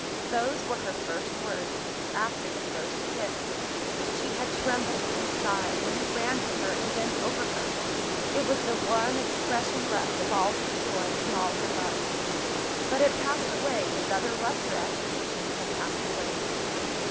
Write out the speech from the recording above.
Those were her first words after the first kiss. She had trembled and sighed, when he ran to her and bent over her: it was the one expression left of all her joy and all her love. But it passed away as other lesser agitations had passed away.